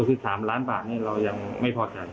คือ๓ล้านบาทนี้เรายังไม่พอใจ